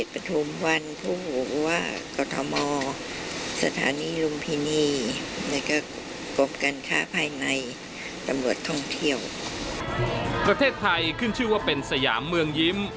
ประเทศไทยขึ้นชื่อว่าเป็นสยามเมืองยิ้ม